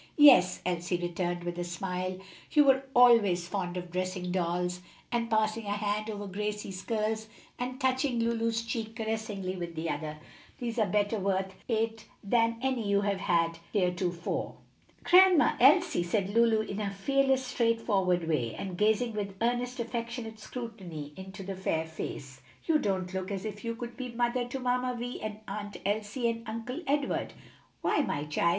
"Yes," Elsie returned, with a smile, "you were always fond of dressing dolls," and, passing a hand over Gracie's curls and touching Lulu's cheek caressingly with the other, "these are better worth it than any you have had heretofore." "Grandma Elsie," said Lulu in her fearless, straightforward way, and gazing with earnest, affectionate scrutiny into the fair face, "you don't look as if you could be mother to Mamma Vi and Aunt Elsie and Uncle Edward." "Why, my child?"